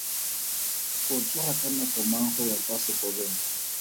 O tsoga ka nako mang go ya kwa sekolong?